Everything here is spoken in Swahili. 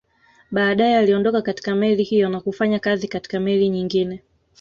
Baadae aliondoka katika meli hiyo na kufanya kazi katika meli nyingine